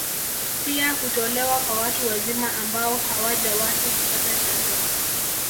Pia hutolewa kwa watu wazima ambao hawajawahi kupata chanjo